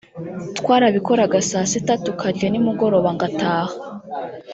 twarabikoraga saa sita tukarya ni mugoroba ngataha